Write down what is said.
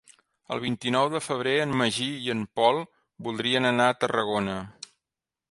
El vint-i-nou de febrer en Magí i en Pol voldrien anar a Tarragona.